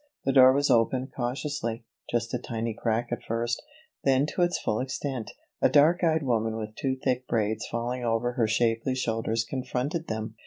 The door was opened cautiously, just a tiny crack at first, then to its full extent. A dark eyed woman with two thick braids falling over her shapely shoulders confronted them.